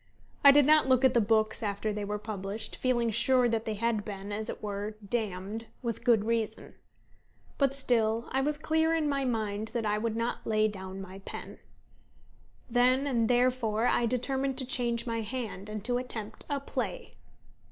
I did not look at the books after they were published, feeling sure that they had been, as it were, damned with good reason. But still I was clear in my mind that I would not lay down my pen. Then and therefore I determined to change my hand, and to attempt a play.